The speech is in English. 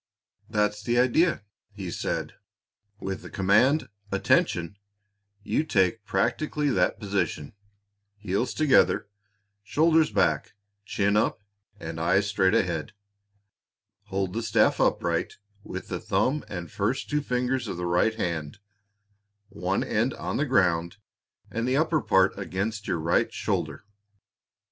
"That's the idea!" he said. "With the command 'Attention!' you take practically that position, heels together, shoulders back, chin up, and eyes straight ahead. Hold the staff upright with the thumb and first two fingers of the right hand, one end on the ground and the upper part against your right shoulder.